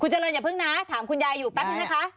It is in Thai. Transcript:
เจริญอย่าเพิ่งนะถามคุณยายอยู่แป๊บนึงนะคะ